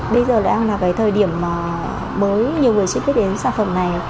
bây giờ lại là thời điểm mới nhiều người suy nghĩ đến sản phẩm này